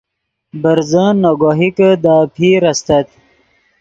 برزن نے گوہکے دے اپیر استت